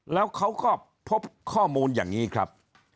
แล้วเขาก็พบข้อมูลอย่างนี้ครับ